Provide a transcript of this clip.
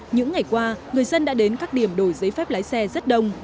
những ngày qua người dân đã đến các điểm đổi giấy phép lái xe rất đông